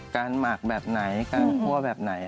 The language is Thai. หมักแบบไหนการคั่วแบบไหน